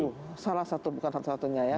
salah satu salah satu bukan salah satunya ya